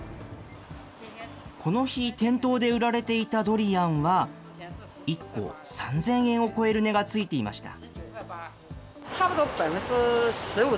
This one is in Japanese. この日、店頭で売られていたドリアンは、１個３０００円を超える値がついていました。